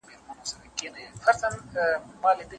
د شنو طوطیانو د کلونو کورګی